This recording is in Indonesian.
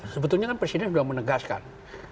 sebetulnya kan presiden sudah menegaskan